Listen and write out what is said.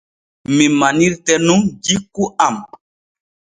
Mi manirte nun jikku am.